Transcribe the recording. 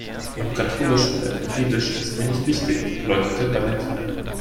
Ob katholisch oder evangelisch ist mir nicht wichtig, erläuterte Valentina.